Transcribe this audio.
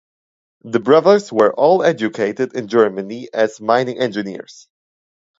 The brothers were all educated in Germany as mining engineers.